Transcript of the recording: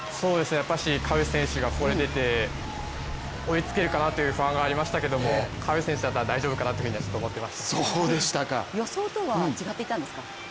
川内選手が一歩出てて追いつけるかなという不安がありましたけど川内選手だったら大丈夫かなと思っていました予想とは違っていたんですか？